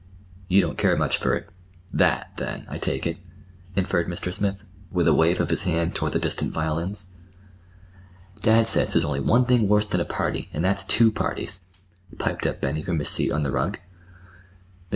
"You don't care much for—that, then, I take it," inferred Mr. Smith, with a wave of his hand toward the distant violins. "Dad says there's only one thing worse than a party, and that's two parties," piped up Benny from his seat on the rug. Mr.